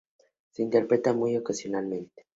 Se interpreta muy ocasionalmente.